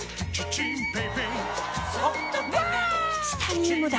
チタニウムだ！